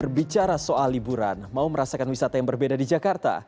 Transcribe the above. berbicara soal liburan mau merasakan wisata yang berbeda di jakarta